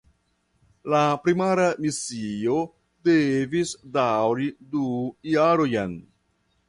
La primara misio devis daŭri du jarojn.